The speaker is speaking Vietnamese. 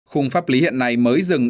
khung pháp lý hiện nay mới dừng